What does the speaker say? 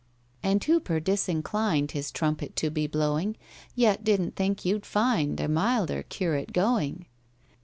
And HOOPER, disinclined His trumpet to be blowing, Yet didn't think you'd find A milder curate going.